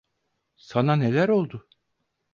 Sana neler oldu?